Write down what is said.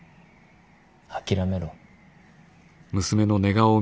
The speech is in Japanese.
諦めろ。